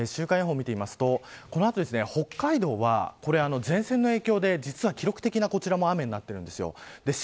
週間予報を見てみるとこの後、北海道は前線の影響で、実は記録的な雨になっているんです。